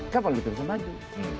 kapal dituliskan maju